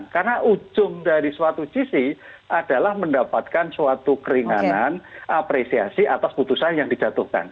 karena ujung dari suatu jc adalah mendapatkan suatu keringanan apresiasi atas putusan yang dijatuhkan